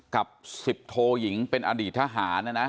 กับ๑๐โทยิงเป็นอดีตทหารนะนะ